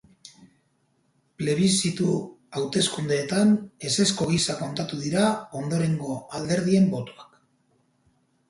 Plebiszitu hauteskundeetan ezezko gisa kontatuko dira ondorengo alderdien botoak.